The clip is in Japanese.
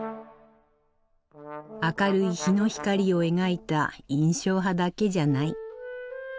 明るい日の光を描いた印象派だけじゃない。